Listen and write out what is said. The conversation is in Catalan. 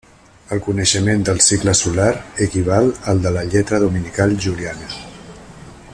El coneixement del cicle solar equival al de la lletra dominical juliana.